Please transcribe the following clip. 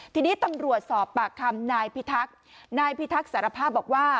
ทีนี้ตำรวจสอบปากคำนายพิทักษ์นายพิทักษ์สารภาพบอกว่า